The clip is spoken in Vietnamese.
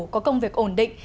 có công việc ổn định